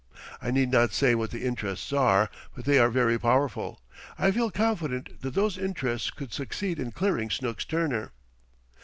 I need not say what the interests are, but they are very powerful. I feel confident that those interests could succeed in clearing Snooks Turner."